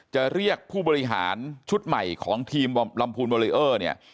จะเรียกผู้บริหารชุดใหม่ของทีมลำพูนวอเรอร์เนี่ย